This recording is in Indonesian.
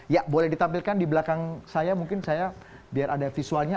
ya boleh ditampilkan di belakang saya mungkin saya biar ada visualnya